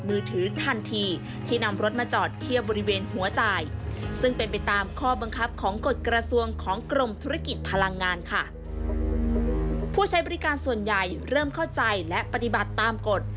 ผู้ใช้บริการส่วนใหญ่เริ่มเข้าใจและปฏิบัติตามกฎ